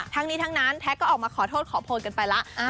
ทั้งนี้ทั้งนั้นแท็กก็ออกมาขอโทษขอโพยกันไปแล้ว